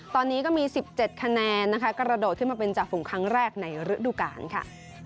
ตอนนี้ก็มี๑๗คะแนนนะคะกระโดดขึ้นมาเป็นจ่าฝุงครั้งแรกในฤดูกาลค่ะ